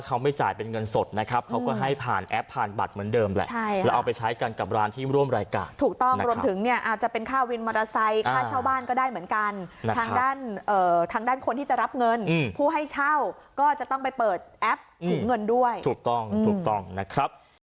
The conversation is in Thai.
เขาไม่จ่ายเป็นเงินสดนะครับเขาก็ให้ผ่านแอปผ่านบัตรเหมือนเดิมแหละใช่แล้วเอาไปใช้กันกับร้านที่ร่วมรายการถูกต้องรวมถึงเนี่ยอาจจะเป็นค่าวินมอเตอร์ไซค์ค่าเช่าบ้านก็ได้เหมือนกันทางด้านทางด้านคนที่จะรับเงินผู้ให้เช่าก็จะต้องไปเปิดแอปถุงเงินด้วยถูกต้องถูกต้องนะครับ